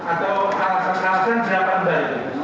atau alasan alasan berapa mbak itu